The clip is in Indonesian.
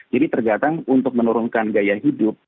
jadi tergantung untuk menurunkan gaya hidup